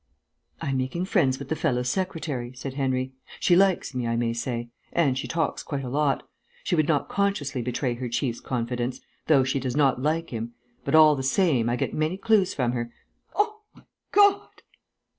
"I am making friends with the fellow's secretary," said Henry. "She likes me, I may say. And she talks quite a lot. She would not consciously betray her chief's confidence, though she does not like him; but all the same I get many clues from her.... Oh, my God